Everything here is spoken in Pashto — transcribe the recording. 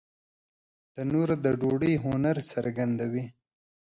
تنور د ډوډۍ هنر څرګندوي